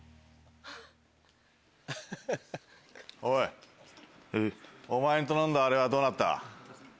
おいお前に頼んだあれはどうなった？